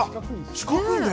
四角いね。